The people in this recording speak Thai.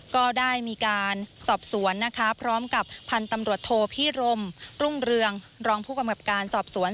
ก็ได้มีการสอบสวนนะคะพร้อมกับพันธุ์ตำรวจโทพิรมกรุ่งเรืองรองผู้กำกับการสอบสวน